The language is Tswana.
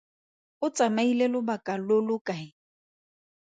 O tsamaile lobaka lo lo kae?